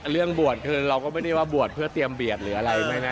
เราก็ไม่ได้ว่าบวชเพื่อเตรียมเบียดหรืออะไร